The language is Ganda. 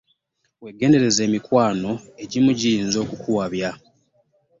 Weegendereze emikwano! Egimu giyinza okukuwabya.